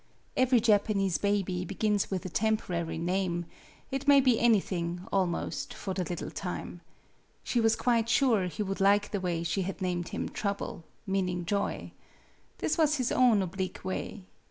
Every Japanese baby begins with a tem porary name; it may be anything, almost, for the little time. She was quite sure he would like the way she had named him Trouble meaning joy. That was his own oblique way.